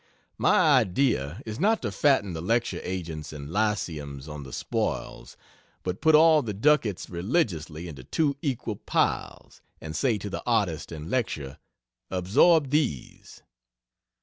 My idea is not to fatten the lecture agents and lyceums on the spoils, but put all the ducats religiously into two equal piles, and say to the artist and lecturer, "Absorb these."